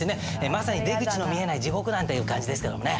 まさに出口の見えない地獄なんていう感じですけどもね。